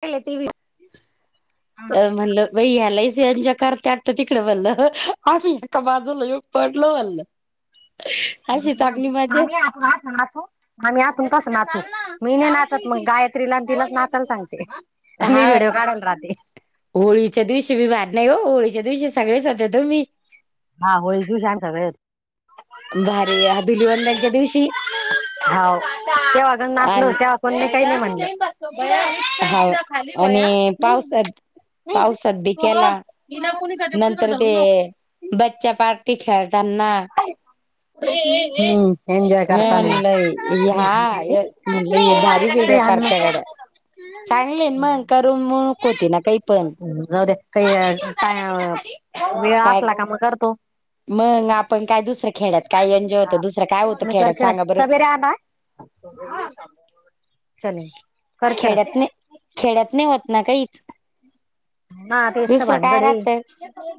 [unintelligible] हा म्हणलं बा या्यालाही संच्या कर त्या. तर तिकडे बोललं आम्ही एका बाजूला येग पडलो म्हल. मामी आहे आपण ह स नाचू. आम्ही आतून कसं नाचू मी नाही नाचत मग गायत्रीला आणि तिलाच नाचायला सांगते. हा मी व्हिडिओ काढल राते. होळीच्या दिवशी मी भात नाही हो होळीच्या दिवशी सगळेच होतेतो मी. हा होळीचा दिवशी आमचा बेत. भारी हा धुलिवंदांच्या दिवशी. हा त्या [inaudible] वाघण नाचल आणि त्याकी काही नाही म्हणलं शिक्षि हा इकडं खाली होय ह आणि नाही ना. पावसात नाही ना पावसात बी तू हो केला हिना कोणी कडच्या नंतर कुणीकडे जाऊ ते नको. बच्च्या पार्टी खेळतातना. काही पण ए ए ए. एन्जॉय मी करताना. म्हणलं हा म्हणलं भारी व्हिडिओ करत्याकडे चांगले मग करून मुक होती ना काही पण जाऊ दया. काही काय वेळ काय असला का मग करतो. मग आपण काय दुसरं खेळ्यात काय एन्जॉय होतं दुसरं काय होतं खेळत सांगा बरं. का बाई. चले. करके खेड्यात नाही रख खेड्यात नाही होत ना काहीच. ह तेच तर दुसरं काय भानगड आहे. राहतं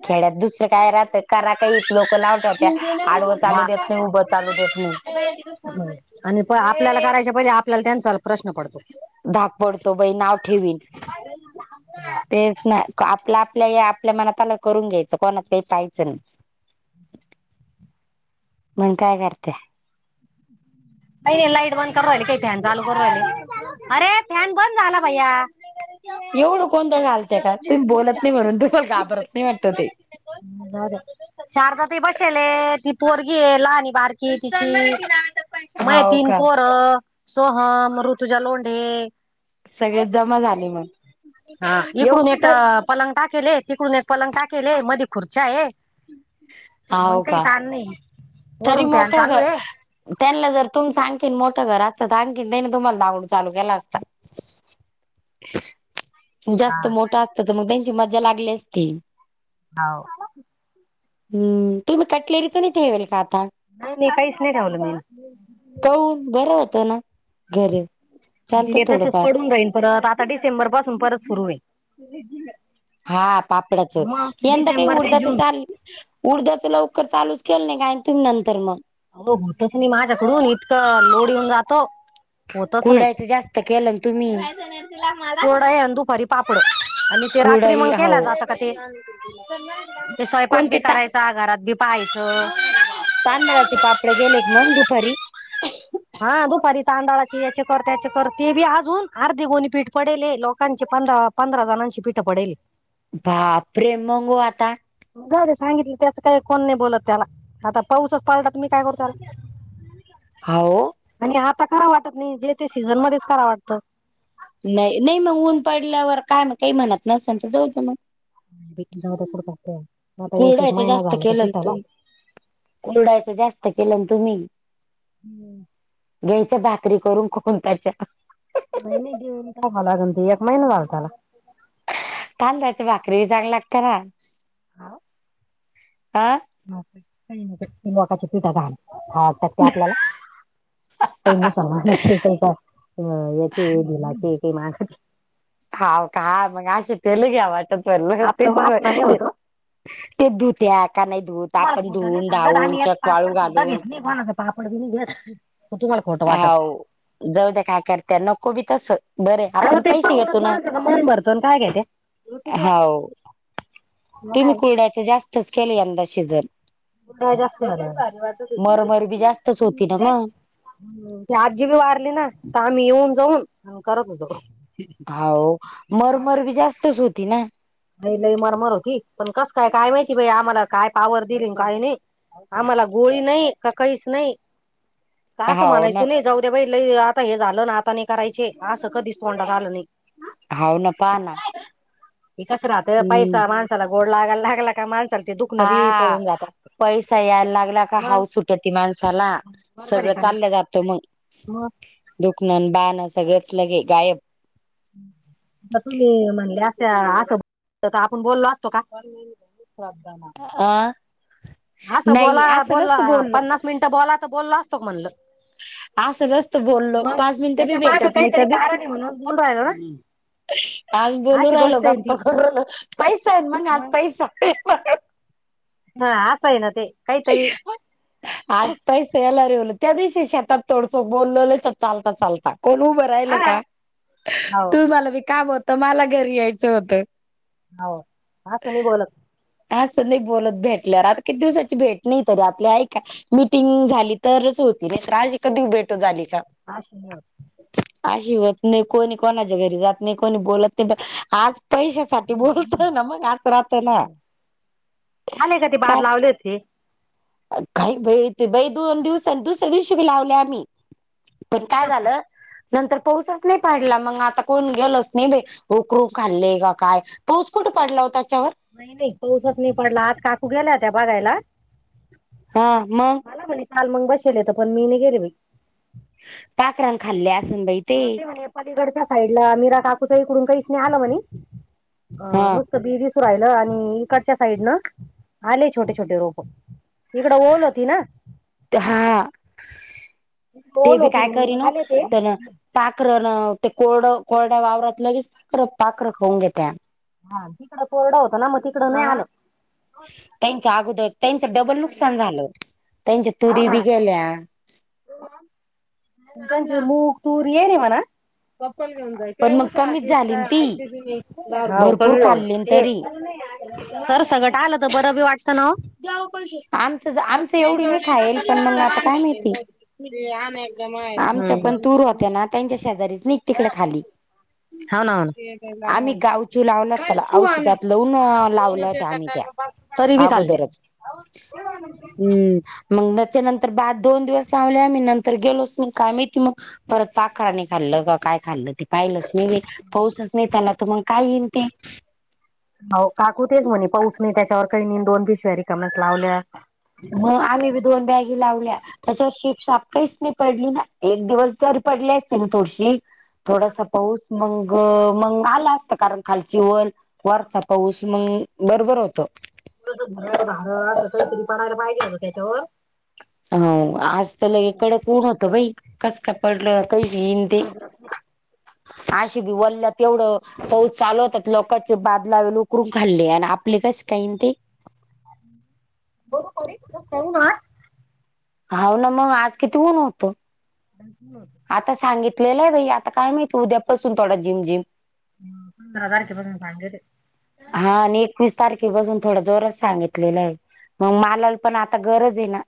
खेड्यात दुसरं काय राहतं करा का इ लोक लावत होत्या आडव चालू देत नाही उभं चालू देत नाही. आणि प आपल्याला करायच्या पहिले आपल्याला त्यांचा प्रश्न पडतो. धाक पडतो बाई नाव ठेवीन तेच. नाही आपल्या आपल्या या आपल्या मनातला करून घ्यायचं कोणात काही पाहायचं नाही. ह. [inaudible] मग काय करते. का नाही लाईट बंद कर राले काही फॅन चालू करूहि अरे फॅन बंद झाला भैया. एवढं जाऊ गोंधळ घालते का तुम्ही बोलत नाही म्हणून तुम्हाला घाबरत नाही वाटत ते. बर. शारदा त बसेल ती पोरगी लह आणि बारकी तिची. मा हो तीन का पोर सोहम ऋतुच्या लोंढे. सगळे जमा झाले मग हा येऊ इकडून एक. तर पलंग टा केले तिकडून एक पलंग टा केले मधी खुर्च्या आहे. मग हो काही का तार नाही. तरी वरून फॅन मोकळ चालू ग. आहे त्यांना जर तुमचं आणखीन मोठं घर असतं तर आणखीन त्यानी तुम्हाला दावडू चालू केला असत. जास्त मोठा असत तर मग त्यांची मज्जा लागली असती. हो. हम्म तुम्ही कटलेरीचं नाही ठेवेल का आता. नाही नाही काहीच नाही ठेवलं काऊ बरं होत ना घर. चालतं तसच थोडंफार पडून राहीन परत आता डिसेंबर पासून परत सुरू हेईल. हा पापडचं यंदा काही ते उडधाच जून चाल. उडद्याच लवकर चालूच केलं नाही काय तुम्ही नंतर मग. हो होतत मी माझ्याकडून इतकं लोड येऊन जातो. कुरडायच जास्त के [unintelligible] कुरडया आहे दुपारी पापड आणि ते रात्री कुरडाई मग केल्या हो जात. [unintelligible] ते स्वयंपाक कोणते बी ता करायचा घरात बी पाहायचं. तांदळाचे पापडे गेलेत मग दुपारी. हा दुपारी तांदळाची याचे कर त्याचे कर ते बी अजून अर्धि गोणी पीठ पडेले लोकांचे पण दळाप पंधरा जणांची पीठं पडेली. बापरे मग ओ आता. जाऊदे सांगितलं त्यात काय कोण नाही बोलत त्याला आता पाऊसच पाडला मी काय करू त्याला हा हो आणि आता करा वाटत नाही. जे ते सीझन मध्येच करा वाटतं. नाही नाही मग ऊन पडल्यावर काय मग काय काही म्हणत नसेल तर जाऊ मग एक जाऊ दया पात कुरडायचं जास्त केलं ना तुम्ही, कुरडायच जास्त केलं तुम्ही हम्. घ्यायच्या भाकरी कटून कायच्या नाही नाही देऊन का लागती एक महिना लताला तांदूळाची भाकरी चांगली लागते ना आह. वाका त टीपी दादा कायकी आपल्याला काही मुसलमानाचे, होय का येतय दिला ते काही मा हाव काय मग आश तेलग्या वाट पल ते आपलं टिक लू वासना नाही होत ओ. ते धूत्या का नाही धूत तुम्हाला आपण खोटं नाही धुवून सांगत धावून आम्ही एक चकवाळू पापड सुद्धा घालून घेत नाही कोणाचा पापड बी नाही घ्या तुम्हाला खोटं हा वाटल ओ जाऊ त्या काय करत्या नको बी तस बरं अहो आपण ते पैसे पाहूनच घेतो ना, माणसाचं मन भरतं आणि काय घेते. हा ओ मग तुम्ही काय कुरड्याच जास्तच केले यंदा शिजन नाही जास्तच मरमर बी जास्तच होती ना वाटुदे [inaudible] मग ती आजीबी वारली ना तर, आम्ही येऊन जाऊन करत होतो. होओ मर मर बी जास्तच होती ना. नाही लई मर मर होती. पण कसं काय काय माहिती बाई, आम्हाला काय पावर दिली काही नाही. आम्हाला गोळी नाही का काहीच नाही. का असं हाव म्हणायचो ना नाही जाऊ. ते बाई लई आता हे झालं ना आता नाही करायचे, अस कधीच तोंडात आलं नाही. होऊ न पा ताना ते कसं राहतं पैसा माणसाला गोड लागायाला लागला का माणस हाआ पैसा यायला लागलाका मग हाऊ सुटती माणसाला. बरोबर आहे सगळं का नाही चाललं जात मग मग दुखणं बहान सगळंच लगे गायब. हम्. त तुम्ही म्हणले असत्या तर असं आपण बोललो असतो का? सथं मा अ हा असं बोला बोलला पन्नास मिनिटं बोला तर बोलला असतो की म्हटलं असच असत बोललो पाच मनिटे भी त्याच्या मागं भेटत काहीतरी नाहीत बी कारण आहे म्हणून बोलून राहिलो ना आज बोलू अशी राहिलो गोष्ट आहे गप्प ती करून पैसा आहे मग आज पैसा हा असं आहे ना ते. काहीतरी [unintelligible] आजपैसा येलार आहे बोले त्या दिवशी शेतात तोडसो बोलल तर चालता चालता कोण उभं राहिलं. हा. का हो तुमाला बी काम होत मला घरी यायचं होत. आहो असं मी बोलत. असं नाही बोलत भेटल्यावर आता किती दिवसझा मची भेट नाही तरी आपल्या ऐका मीटिंग झाली तरच होती नाहीतर आज कधी भेट [unintelligible] झाली का? असं नाही होत आशी होत नाही कोणी कोणाच्या घरी जात नाही कोणी बोलत नाही बघ आज पैश्या साठी बोलतोना मग आस राहत ना काय? आले थे काही बाई ते बाई दोन दिवसान दुसऱ्या दिवशी बी लावले आम्ही पण काय तिथंच का झालं नंतर पाऊसच नाही पाडला मग आता कोण गेलच नाही बाई. उकरू खाल्ले का काय पाऊस कुठ पाडला होता तेच्यावर? नाही नाही पाऊसच नाही पडला आज काकू गेल्या होत्या बघायला हा मग मला म्हने काल मग बसलेत पण मीे नाही गेले बाई. पाखरान खाल्ल्या आसन बाई. ते म्हणे पलीकडच्या साईडला मीरा काकूच्या इकडून काहीच नाही आलं हा म्हणे बी दिसू राहिलं आणि इकडच्या साईड न आले छोटे छोटे रोप. इकडं ओल होती ना हा ते ओल बी होती काय करी म्हणून न आले ते आणि तर पाखर न ते कोरड कोरड्या वावरात लगेच पाखर पाखरं खाऊन घेत्या हा तिकडं कोरड होत ना म तिकडं नाही आल. ताईच्या अगोदर ताईच डबल नुकसान झालं त्यांच्या तुरी बी गेल्या म्हजे मुग, तूरी यातले म्हणा पप्पाला घेऊन जाय पण मग कमीच झाली न काय ती आईच बी मी भरपूर खाल्ली तरी सरसकट आलं तर बरं बी वाटतं ना ओ. आमचं आमचं एवढी नाही खायल पण मग आता हा काय माहिती ते अनेकदा माहेर आमच्या पण तूर होत्या ना त्यांच्या शेजारीच निघ तिकडे खाली हाव ना आण आम्ही गावचू लावला त्याला औषधात लावून लावल्या होत्या आम्ही त्या तरी बी खाले. हम् मग त्याचनंतर भात दोन दिवस लावले आम्ही नंतर गेलोच नाही काय माहिती मग. परत पाखराणी खाल्लं का काय खाल्लं ते पाहिलच नाही पाऊसच नाही त्याला त मग काय येईल ते. आओ काकू तेच म्हणे पाऊस नाही त्याच्यावर काही दोन पिशव्या रिकाम्याच लावल्या. म आम्ही बी दोन बॅगी लावल्या. त्याच्यावर शिप सापकाहीच नाही पडली ना एक दिवस जर पडली असते ना थोडीशी थोडस पाऊस मंग मंग आला असता कारण खालची वल वरचा पाऊस मंग बरोबर होत. असं तरी पडायला पाहिजे होत तेच्यावर. हो आज त लई कडक ऊन होतं बाई कस काय पडलं कायी हा [inaudible] आशे बी वल्ल तेवढं पाऊस चालवतात लोकाचे बादला उकरून खाल्ले आण आप लं कशी काय येईन ते? [unintelligible] हाव ना मग आज किती ऊन होत? होत आता सांगितलेलं आहे बाई आता काय माहीत उद्यापासून थोडा झिमझिम पंधरा तारखे पर्यंत सांगीत हा आणि एकवीस तारखेपासून थोडा जोरच सांगितलेलं आहे. म मालाला पण आता गरज हे ना.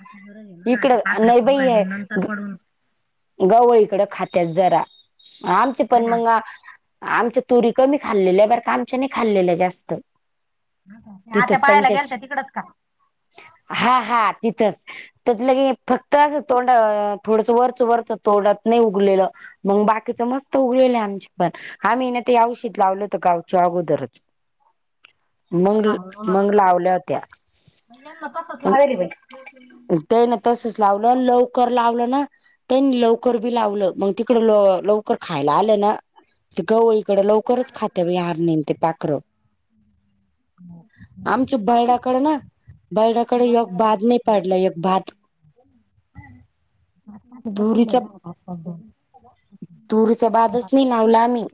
आता गरज आहे ना इकड आता पाखरं नाही खाऊ बाई राहिले हे नंतर घ पडून गवळ इकड खात्या जरा आमची पण नाही ना. मंग आमच्या तुरी कमी खाल्लेल्या आहे बर का आमच्या नाही खाल्लेलं जास्त आता तिथंच पाहायला गेल त्यांच्या तर तिकडच का हा हा तिथंच. त्यात लंगे फक्त असं तोंड थोडस वरच वरच तोंडात नाही उगलेलं. मंग बाकीच मस्त उगेल हे आमच्या पण आम्ही ना, ते औशध लावलं होत गावच्या अगोदरच. मंगल मंग लावल्या होत्या. यांन तसच लावेल बाई. त्याईन तसच लावलं लवकर लावलं ना. त्यांनी लवकर बी लावलं मग तिकड ल लवकर खायला आलं ना. ते गवळीकडे लवकरच खाते बई हारनींन ते पाखरं. हो. आमचे बैडाकडे ना, बैडाकडे यग बाद नाही बाई. पाडलं एक भात. [unintelligible] पाच पाय दोन, तूरच दोन बादच पाच नाही लावला आम्ही.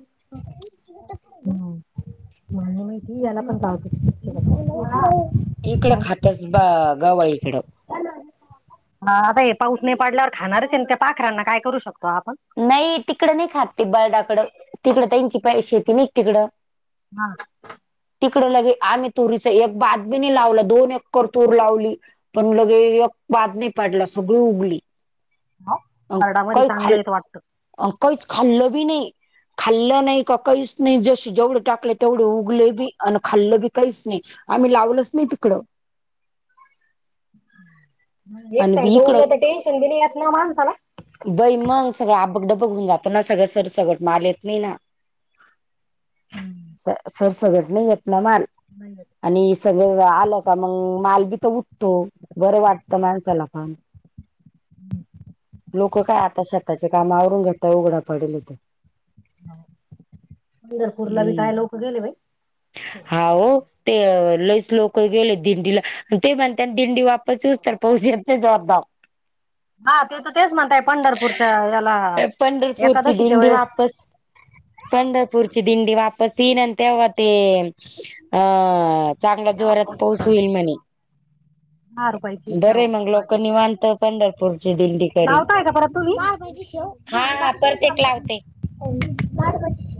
हुं मला नाही माहितीये याला पण लावतात. [unintelligible] इकडं खातच ब गव्हा इकडं. [unintelligible] हा बई पाऊस नाही पाडल्यावर खाणारच हे न त्या पाखरांना काय करू शकतो आपण. नाही तिकडं नाही खात ते बर्डाकडं तिकडं त्यांची पैये नाही क तिकडं हा. तिकडे लगे आम्ही तुरीच एक बागबी नही लावलं दोन एकर तूर लावली. पण लगे एक बाद नाही पाडला सगळी उगली अंग बर्डामध्ये काही चांगलं खाल येत वाटतं अंग काहीच खाल्ल बी नाही खाल्लं नाही का काहीच नाही जशी जेवढे, टाकले तेवढे उगले बी आणि खाल्ल बी काहीच नाही. आम्ही लावलच नाही तिकडं. एक आणि सारख इकडं उगल त टेंनशन बी नई येत ना माणसाला. बई मंग सगळं आबक डबक होऊन जातो ना, सगळं सर सगवट मले येत नाही ना. स सरसगट नाही येत ना माल. मंदत [unintelligible] आणि सगळं आलं का मंग माल बी त उठतो बरं वाट त माणसला फम लोक काय आता शेताचे कामावरून घेत उघडा पडेल हेत. पंढरपूरला बी काय लोक गेले बाई. होवो. ते लईच लोक गेले दिंडीला ते म्हणत्यान दिंडी वापस येऊस तर पाऊस ते जवाबदार. हा ते तेच म्हणताय पंढरपूरच्या याला पंढरपूरची एकादशीच्या दिंडी वेळेस वापस पंढरपूरची दिंडी वापस ईन तेव्हा ते अ चांगला जोरात पाऊस होईल म्हणे. नारो [unintelligible] पैकी बरं मग लोक शेव निवांत पंढरपूरची दिंडी करीन लावताय का परत तुम्ही पाव भाजी शेव. हा हा परत्येक लावते. म [unintelligible]